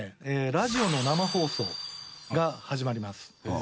ラジオの生放送が始まります。